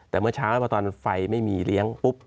แต่เมื่อเช้าพอตอนไฟไม่มีเลี้ยงปุ๊บ